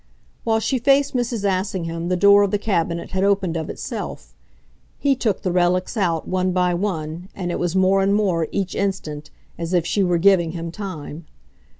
While she faced Mrs. Assingham the door of the cabinet had opened of itself; he took the relics out, one by one, and it was more and more, each instant, as if she were giving him time.